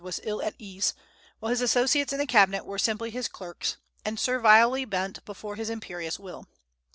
was ill at ease, while his associates in the Cabinet were simply his clerks, and servilely bent before his imperious will.